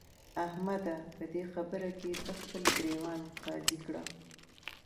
احمده! په دې خبره کې ته خپل ګرېوان قاضي کړه.